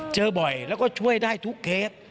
เจอบ่อยแล้วก็ช่วยได้ทุกเคส